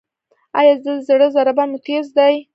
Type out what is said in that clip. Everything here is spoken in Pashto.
ایا د زړه ضربان مو تېز دی؟